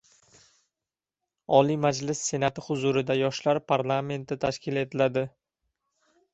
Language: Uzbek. Oliy Majlis Senati huzurida Yoshlar parlamenti tashkil etiladi